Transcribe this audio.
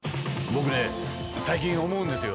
僕ね最近思うんですよ。